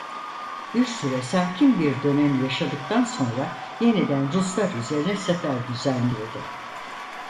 Bir süre sakin bir dönem yaşadıktan sonra yeniden Ruslar üzerine sefer düzenledi.